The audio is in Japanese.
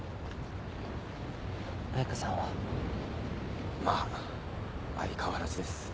彩佳さんは？まあ相変わらずです。